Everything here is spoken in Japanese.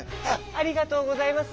ありがとうございます。